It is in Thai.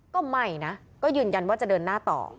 ก็ไม่นะก็ยืนยันว่าจะเดินหน้าต่อ